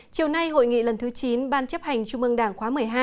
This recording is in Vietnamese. chiều nay hội nghị lần thứ chín ban chấp hành trung ương đảng khóa một mươi hai